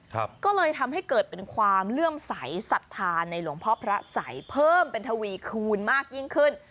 ก็เลยทำให้เกิดเป็นความเลื่อมใสสัทธาในหลวงพ่อพระสัยเพิ่มเป็นทวีคูณมากยิ่งขึ้น